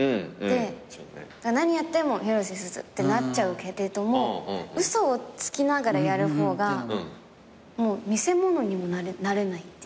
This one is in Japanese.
何やっても広瀬すずってなっちゃうけれども嘘をつきながらやる方がもう見せ物にもなれないっていうか。